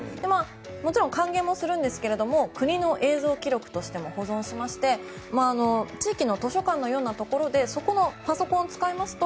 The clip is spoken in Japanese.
もちろん還元もするんですが国の映像記録としても保存しまして地域の図書館のようなところでそこのパソコンを使いますと